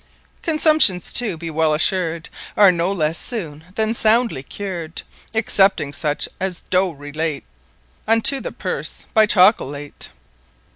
Consumptions too (be well assur'd) Are no lesse soone then soundly cur'd: (Excepting such as doe Relate Unto the Purse) by Chocolate.